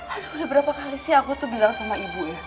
aduh udah berapa kali sih aku tuh bilang sama ibu ya